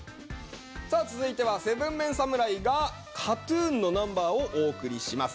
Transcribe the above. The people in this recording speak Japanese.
さあ続いては７ＭＥＮ侍がＫＡＴ−ＴＵＮのナンバーをお送りします。